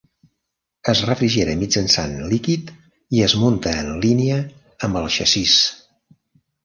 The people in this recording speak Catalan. Es refrigera mitjançant líquid i es munta en línia amb el xassís.